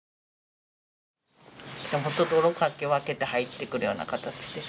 本当泥かき分けて入ってくるような形で。